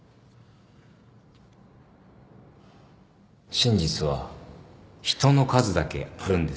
真実は人の数だけあるんですよ